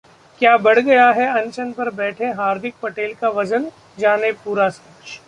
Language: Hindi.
क्या बढ़ गया है अनशन पर बैठे हार्दिक पटेल का वजन? जानें पूरा सच